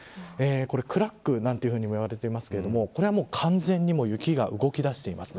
クラックなんていうふうにも言われていますがこれは完全に雪が動き出しています。